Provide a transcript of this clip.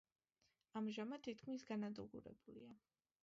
ამჟამად თითქმის განადგურებულია.